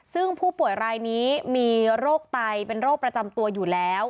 ซึ่งผู้ป่วยรายนี้มีโรคไตเป็นโรคประจำตัวอยู่แล้ว